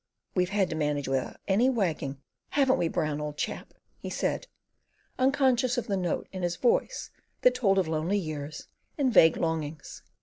"We've had to manage without any wagging, haven't we, Brown, old chap?" he said, unconscious of the note in his voice that told of lonely years and vague longings.